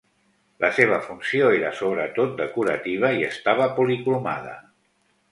La seva funció era, sobretot, decorativa i estava policromada.